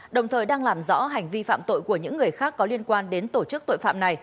đồng thời đang làm rõ hành vi phạm tội của những người khác có liên quan đến tổ chức tội phạm này